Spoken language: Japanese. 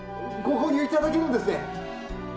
ご購入いただけるんですね！？